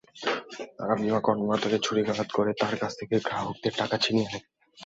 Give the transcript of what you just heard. তাঁরা বিমা কর্মকর্তাকে ছুরিকাঘাত করে তাঁর কাছে থাকা গ্রাহকদের টাকা ছিনিয়ে নেয়।